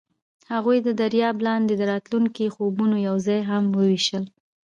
هغوی د دریاب لاندې د راتلونکي خوبونه یوځای هم وویشل.